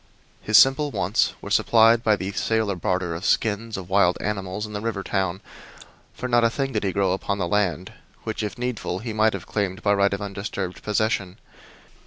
His simple wants were supplied by the sale or barter of skins of wild animals in the river town, for not a thing did he grow upon the land which, if needful, he might have claimed by right of undisturbed possession.